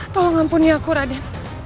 tolong ampuni aku raden